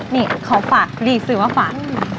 นี่เขาฝากรีสื่อมาฝาก